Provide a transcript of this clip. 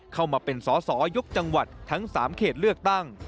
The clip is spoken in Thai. เข้ามาเป็นสอสอยุคจังหวัดทั้ง๓เขตเลือกตั้ง